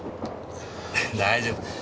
大丈夫。